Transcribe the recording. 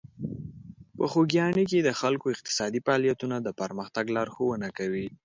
په خوږیاڼي کې د خلکو اقتصادي فعالیتونه د پرمختګ لارښوونه کوي.